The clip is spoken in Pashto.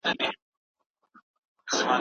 استاد شاګرد ته د څيړني بنسټیزې خبرې وکړي.